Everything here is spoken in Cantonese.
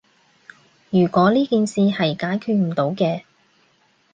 如果呢件事係解決唔到嘅